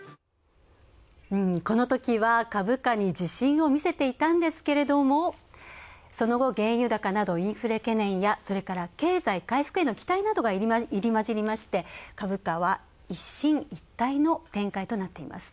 このときは株価に自信を見せていたんですけれど、その後、原油高などインフレ懸念やそれから経済回復への期待などが入り混じりまして、株価は一進一退の展開となっています。